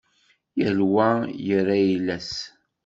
Yal wa ira ayla-s